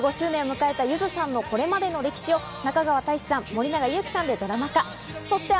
２５周年を迎えたゆずさんのこれまでの歴史を中川大志さん、森永悠希さんでドラマ化。